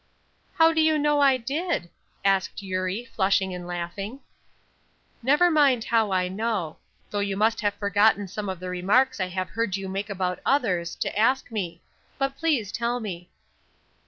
"How do you know I did?" asked Eurie, flushing and laughing. "Never mind how I know; though you must have forgotten some of the remarks I have heard you make about others, to ask me. But please tell me."